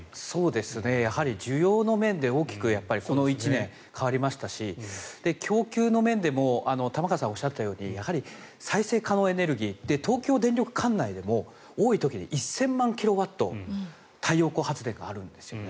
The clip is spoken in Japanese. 需要の面で大きくこの１年変わりましたし供給の面でも玉川さんがおっしゃったように再生可能エネルギー東京電力管内でも多い時で１０００万キロワット太陽光発電があるんですよね。